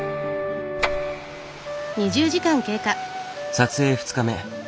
撮影２日目。